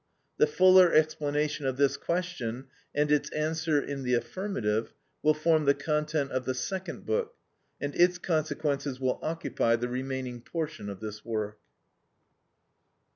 The fuller explanation of this question and its answer in the affirmative, will form the content of the second book, and its consequences will occupy the remaining portion of this work.